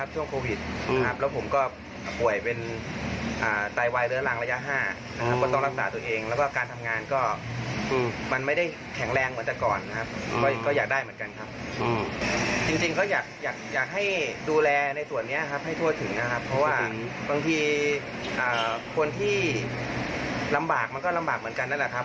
จริงเขาอยากให้ดูแลในส่วนนี้ครับให้ทั่วถึงนะครับเพราะว่าบางทีคนที่ลำบากมันก็ลำบากเหมือนกันนั่นแหละครับ